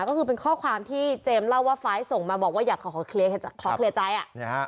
ก็คือเป็นข้อความที่เจมส์เล่าว่าไฟล์ส่งมาบอกว่าอยากขอเคลียร์ใจอ่ะ